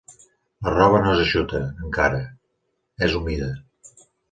La roba no és eixuta, encara: és humida.